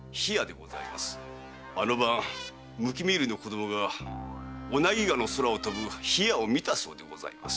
あの晩剥き身売りの子供が小名木川の空を飛ぶ火矢を見たそうでございます。